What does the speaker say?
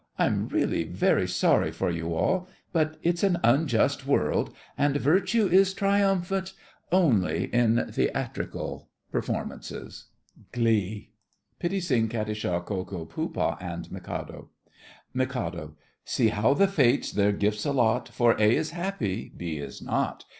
I'm really very sorry for you all, but it's an unjust world, and virtue is triumphant only in theatrical performances. GLEE. PITTI SING, KATISHA, KO KO, POOH BAH, and MIKADO, MIK. See how the Fates their gifts allot, For A is happy—B is not.